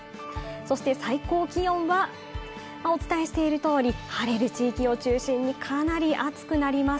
そして最高気温は、お伝えしている通り、晴れる地域を中心にかなり暑くなります。